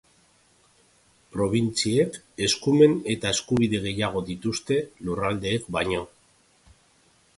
Probintziek eskumen eta eskubide gehiago dituzte lurraldeek baino.